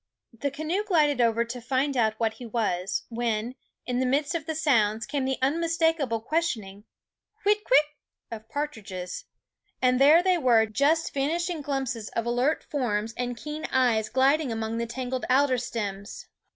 The canoe glided over to find out what he was, when, in the midst of the sounds, came the unmistakable questioning Whit kwit? of partridges and there they were, just vanishing glimpses of alert forms 9 SCHOOL OF and keen eyes gliding among the tangled TO /I L jr, alder stems.